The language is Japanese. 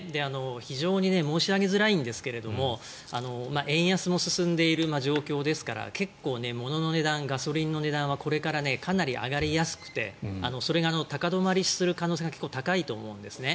非常に申し上げづらいんですが円安も進んでいる状況ですから結構ものの値段ガソリンの値段はこれからかなり上がりやすくてそれが高止まりする可能性が結構高いと思うんですね。